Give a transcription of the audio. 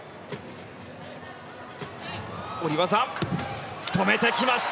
下り技、止めてきました